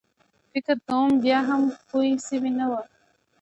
فکر کوم بیا هم پوی شوی نه و.